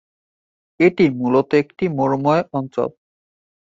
এটি মূলত একটি মরুময় অঞ্চল।